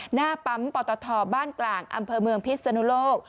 หน้าปั๊มปตทบ้านกลางอำเภอเมืองพิษนุโลก